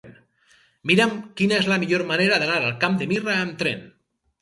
Mira'm quina és la millor manera d'anar al Camp de Mirra amb tren.